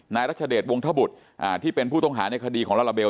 รัชเดชวงธบุตรที่เป็นผู้ต้องหาในคดีของลาลาเบล